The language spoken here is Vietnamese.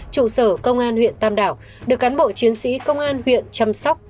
trụ sở công an huyện tam đảo được cán bộ chiến sĩ công an huyện chăm sóc